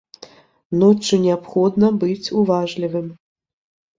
Ноччу неабходна быць уважлівым.